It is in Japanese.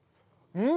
うん！